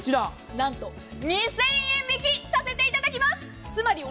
何と２０００円引きさせていただきます。